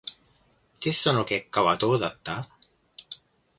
テストの結果はどうだった？